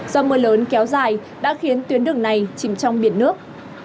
do mưa lớn kéo dài đã khiến tuyến đường này chìm trong biển nước